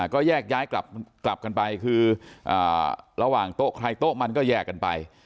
ก็แยกย้ายกลับกันไปคือระหว่างโต๊ะใครโต๊ะมันก็แยกกันไป